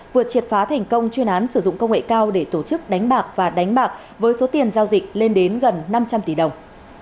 vừa triệt phá thành công chuyên án sử dụng công nghệ cao để tổ chức đánh bạc và đánh bạc với số tiền giao dịch lên đến gần năm trăm linh tỷ đồng